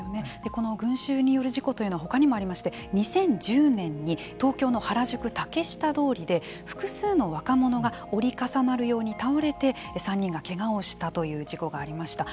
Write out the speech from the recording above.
この群衆による事故というのは他にもありまして２０１０年に東京の原宿竹下通りで複数の若者が折り重なるように倒れて３人がけがをしたという事故がありました。